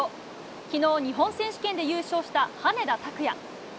昨日、日本選手権で優勝した羽根田卓也。